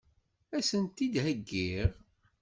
Ad sen-t-id-heggiɣ?